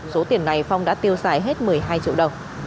số tiền này phong đã tiêu xài hết một mươi hai triệu đồng